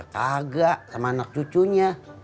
kagak sama anak cucunya